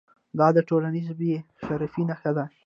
دا د ټولنیز بې شرفۍ نښه ده.